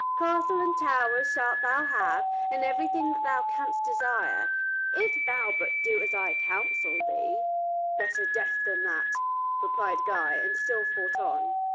Castle and tower shalt thou have, and everything that thou canst desire, if thou but do as I counsel thee." "Better death than that," replied Guy, and still fought on.